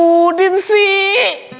ya pudin sih